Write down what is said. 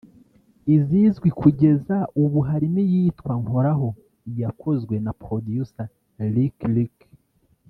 izizwi kugeza ubu harimo iyitwa “Nkoraho” yakozwe na Producer Lick Lick